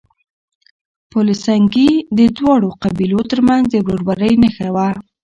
پل سنګي د دواړو قبيلو ترمنځ د ورورۍ نښه وه.